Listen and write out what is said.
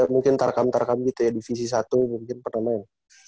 mungkin tarkam tarkam gitu ya divisi satu mungkin pernah main